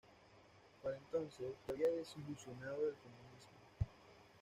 Para entonces, se había desilusionado del comunismo.